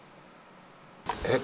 えっ？